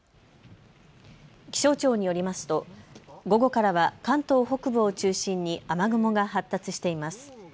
気象庁によりますと午後からは関東北部を中心に雨雲が発達しています。